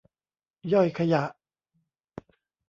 ย่อยขยะ